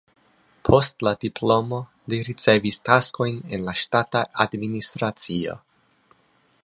Post la diplomo li ricevis taskojn en la ŝtata administracio.